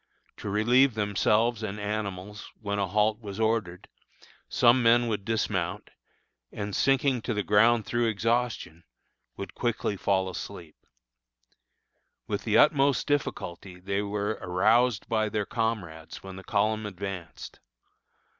To relieve themselves and animals, when a halt was ordered, some men would dismount, and, sinking to the ground through exhaustion, would quickly fall asleep. With the utmost difficulty they were aroused by their comrades when the column advanced.